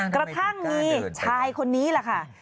กระทั่งมีชายคนนี้แหละค่ะ